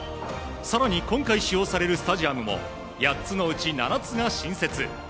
更に今回使用されるスタジアムも８つのうち７つが新設。